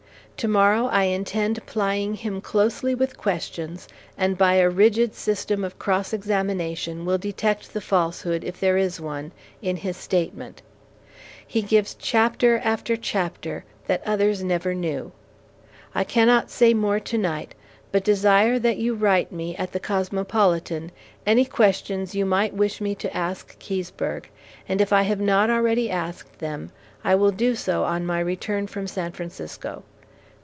To morrow I intend plying him closely with questions, and by a rigid system of cross examination will detect the false hood, if there is one, in his statement. He gives chapter after chapter that others never knew. I cannot say more to night, but desire that you write me (at the Cosmopolitan) any questions you might wish me to ask Keseberg, and if I have not already asked them, I will do so on my return from San Francisco.